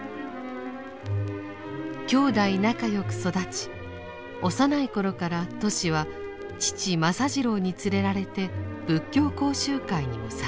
兄妹仲良く育ち幼い頃からトシは父政次郎に連れられて仏教講習会にも参加。